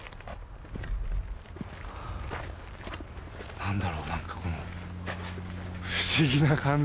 何だろう何かこの不思議な感じ。